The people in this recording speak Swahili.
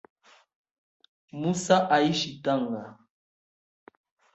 Mussa aishi Tanga